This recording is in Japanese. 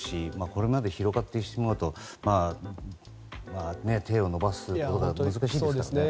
ここまで広がってしまうと手を伸ばすことが難しいですからね。